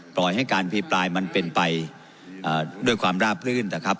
ปล่อยให้การพีปลายมันเป็นไปอ่าด้วยความร่าพลื่นแต่ครับ